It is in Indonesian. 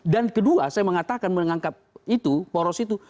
dan kedua saya mengatakan menganggap itu poros itu